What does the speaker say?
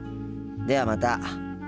ではまた。